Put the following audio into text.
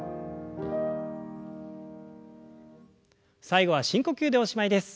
最後は深呼吸でおしまいです。